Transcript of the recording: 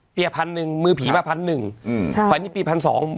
พันหนึ่งมือผีมาพันหนึ่งอืมใช่ไฟนี้เปียพันสอง